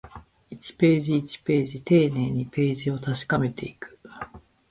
一ページ、一ページ、丁寧にページを確かめていく